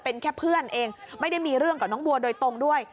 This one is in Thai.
เป็นแค่เพื่อนเองไม่ได้มีเรื่องกับน้องบัวโดยตรงด้วย